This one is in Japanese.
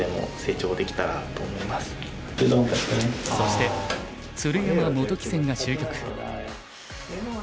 そして鶴山・本木戦が終局。